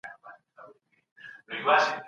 تاسو بايد د تاريخ له حقايقو سترګې پټې نه کړئ.